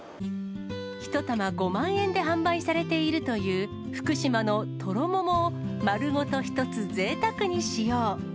１玉５万円で販売されているという福島のとろももを、丸ごと一つぜいたくに使用。